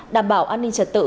đảm bảo an ninh trật tự